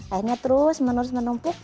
akhirnya terus menumpuk